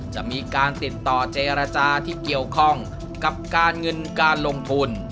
จะมีการติดต่อเจรจาที่เกี่ยวข้องกับการเงินการลงทุน